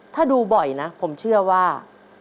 ถ้าดูบ่อยนะผมเชื่อว่า